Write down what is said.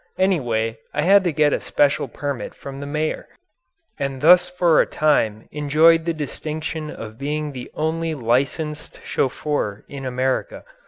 Anyway, I had to get a special permit from the mayor and thus for a time enjoyed the distinction of being the only licensed chauffeur in America.